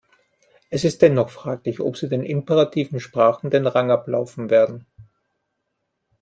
Es ist dennoch fraglich, ob sie den imperativen Sprachen den Rang ablaufen werden.